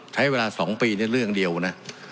ใช้เวลา๒ปีเรื่องเดียวนะ